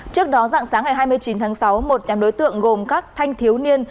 trước đó dạng sáng ngày hai mươi chín tháng sáu một nhóm đối tượng gồm các thanh thiếu niên